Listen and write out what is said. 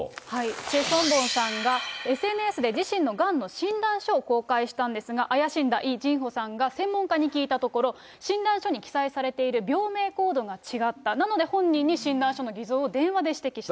チェ・ソンボンさんがＳＮＳで自身のがんの診断書を公開したんですが、怪しんだイ・ジンホさんが専門家に聞いたところ、診断書に記載されている病名コードが違った、なので本人に診断書の偽造を電話で指摘した。